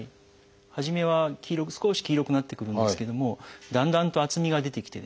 初めは少し黄色くなってくるんですけどもだんだんと厚みが出てきてですね